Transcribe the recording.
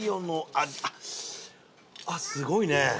あっすごいねぇ。